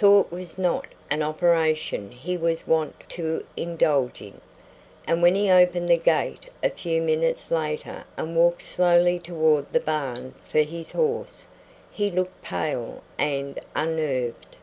Thought was not an operation he was wont to indulge in, and when he opened the gate a few minutes later and walked slowly toward the barn for his horse, he looked pale and unnerved.